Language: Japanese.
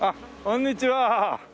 こんにちは。